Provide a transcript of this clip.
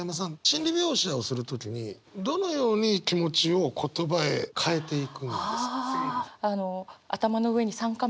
心理描写をする時にどのように気持ちを言葉へ換えていくんですか？